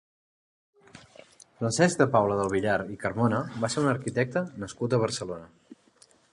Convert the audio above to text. Francesc de Paula del Villar i Carmona va ser un arquitecte nascut a Barcelona.